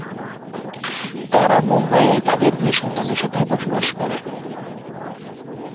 তারা মুম্বাইয়ে তাদের দুই সন্তানের সাথে বসবাস করে।